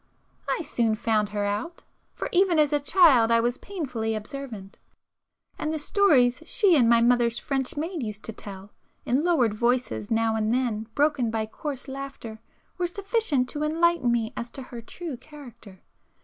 I soon found her out,—for even as a child I was painfully observant,—and the stories she and my mother's French maid used to tell, in lowered voices now and then broken by coarse laughter, were sufficient to enlighten me as to her true character.